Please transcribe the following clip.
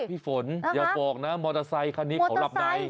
พี่ฝนอย่าบอกนะมอเตอร์ไซคันนี้เขาหลับใน